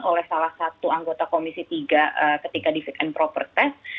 oleh salah satu anggota komisi tiga ketika di fit and proper test